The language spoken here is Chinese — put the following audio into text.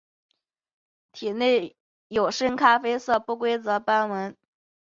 体有深咖啡色不规则之斑纹。